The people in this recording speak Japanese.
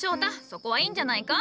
そこはいいんじゃないか？